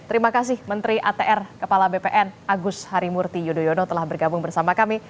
terima kasih menteri atr kepala bpn agus harimurti yudhoyono telah bergabung bersama kami